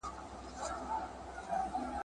نن مي شیخ د میخانې پر لاري ولید `